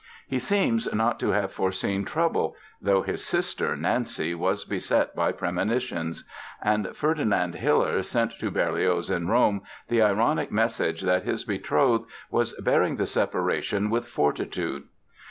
He seems not to have foreseen trouble, though his sister, Nanci, was beset by premonitions; and Ferdinand Hiller sent to Berlioz, in Rome, the ironic message that his betrothed "was bearing the separation with fortitude".